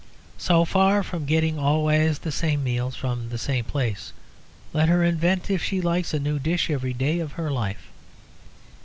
So far from getting always the same meals from the same place, let her invent, if she likes, a new dish every day of her life.